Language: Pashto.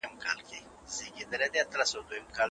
موږ به د ټولنیزو ستونزو حل پیدا کړو.